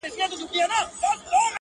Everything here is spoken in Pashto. • هره ورځ به دي تور مار بچي څارله ,